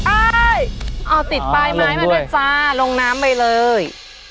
เอาติดปลายไม้มาด้วยจ้าลงน้ำไปเลย